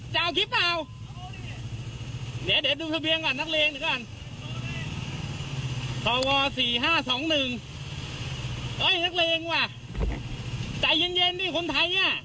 ใจเย็นนี่คนไทยน่ะ